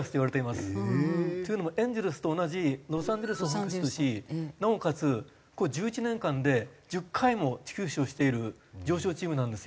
というのもエンゼルスと同じロサンゼルスを本拠地としなおかつ１１年間で１０回も地区優勝している常勝チームなんですよ。